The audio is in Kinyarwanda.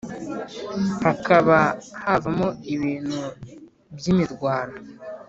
hakaba havamo ibintu by’imirwano.